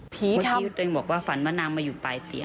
พี่ว่าติดวนมาอยู่ปลายเตียง